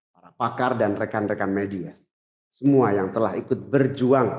para pakar dan rekan rekan media semua yang telah ikut berjuang